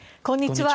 こんにちは。